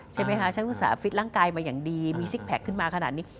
ใช่ไหมคะฉันอุตส่าห์ฟิตร่างกายมาอย่างดีมีซิกแพคขึ้นมาขนาดนี้